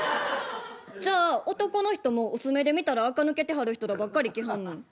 じゃあ男の人も薄目で見たらあか抜けてはる人らばっかり来はんの？